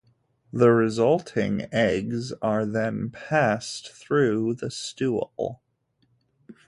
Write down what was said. The resulting eggs are then passed through the stool.